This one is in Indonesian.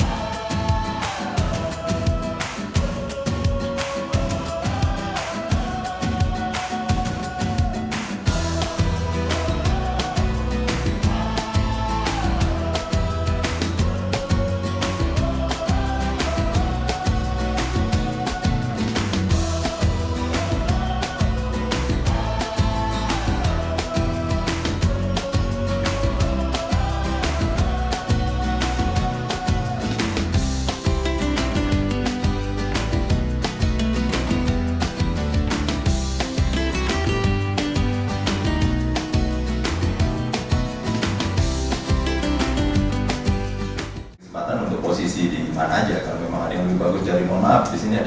hai teman teman posisi di mana aja kalau memang ada yang lebih bagus jadi mohon maaf di sini ada